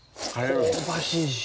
香ばしいし。